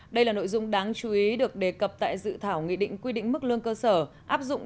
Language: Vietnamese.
đây là nội dung đáng chú ý được đề cập tại dự thảo nghị định quy định mức lương cơ sở áp dụng